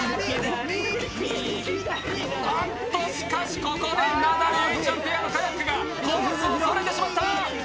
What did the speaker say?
あっと、しかしここでナダル・結実ちゃんペアのカヤックがコースをそれてしまう。